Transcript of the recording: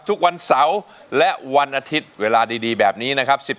ทุกวันเสาร์และวันอาทิตย์เวลาดีแบบนี้นะครับ